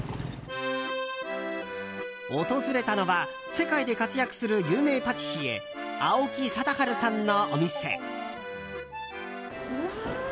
訪れたのは世界で活躍する有名パティシエ青木定治さんのお店。